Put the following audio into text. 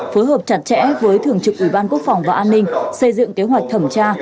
phối hợp chặt chẽ với thường trực ủy ban quốc phòng và an ninh xây dựng kế hoạch thẩm tra